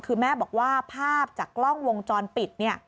คือแม่บอกว่าภาพจากกล้องวงจรปิด